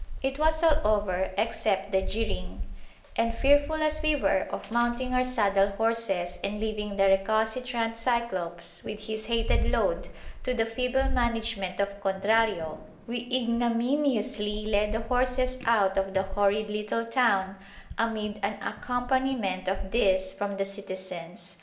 It was all over except the jeering, and, fearful as we were of mounting our saddle horses and leaving the recalcitrant Cyclops with his hated load to the feeble management of Contrario, we ignominiously led the horses out of the horrid little town amid an accompaniment of this from the citizens.